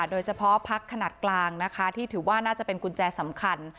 โดยเฉพาะพักขนาดกลางนะคะที่ถือว่าน่าจะเป็นกุญแจสำคัญ